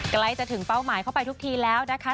ใกล้จะถึงเป้าหมายเข้าไปทุกทีแล้วนะคะ